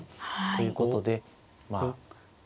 ということでまあ